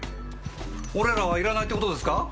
俺らはいらないって事ですか！？